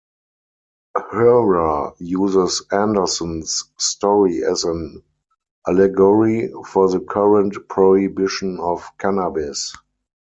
Herer uses Andersen's story as an allegory for the current prohibition of Cannabis.